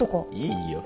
いいよ。